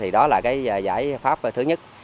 thì đó là cái giải pháp thứ nhất